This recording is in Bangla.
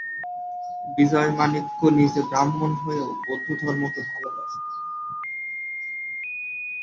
বিজয় মাণিক্য নিজে ব্রাহ্মণ হয়েও বৌদ্ধ ধর্মকে ভালোবাসতন।